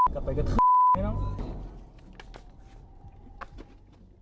กลับไปกระทึก